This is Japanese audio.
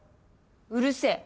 うるせえ。